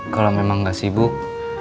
kalo memang gak sibuk